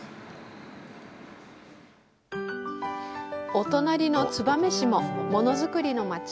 お隣の燕市もものづくりの町。